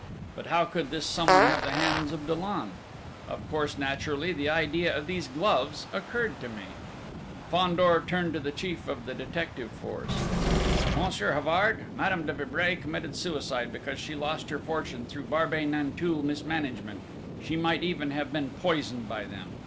_ But how could this someone have the hands of Dollon?... Of course, naturally, the idea of these gloves occurred to me!..." Fandor turned to the chief of the detective force. "Monsieur Havard, Madame de Vibray committed suicide because she lost her fortune through Barbey Nanteuil mismanagement she might even have been poisoned by them!